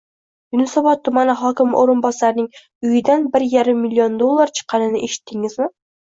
Yunusobod tumani hokimi o'rinbosarining uyidan bir yarim million dollar chiqqanini eshitdingizmi